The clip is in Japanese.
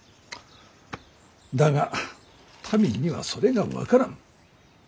だが民にはそれが分からん。